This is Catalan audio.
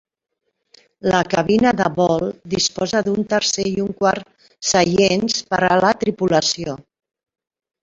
La cabina de vol disposa d'un tercer i un quart seients per a la tripulació.